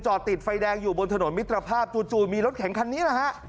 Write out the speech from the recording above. ติดไฟแดงอยู่บนถนนมิตรภาพจู่มีรถแข็งคันนี้แหละฮะ